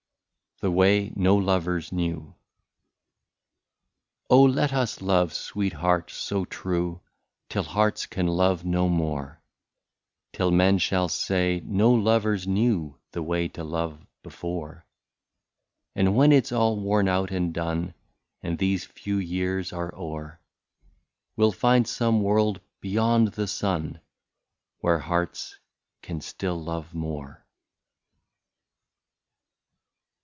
179 THE WAY NO LOVERS KNEW. Oh ! let us love, sweet heart, so true, Till hearts can love no more, — Till men shall say no lovers knew. The way to love before. And when it 's all worn out and done. And these few years are o*er, We '11 find some world beyond the sun. Where hearts can still love more.